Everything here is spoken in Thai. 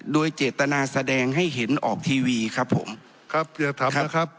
โดยเจตนาแสดงให้เห็นออกทีวีครับผมครับอย่าถามนะครับ